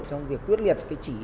trong việc quyết liệt cái chỉ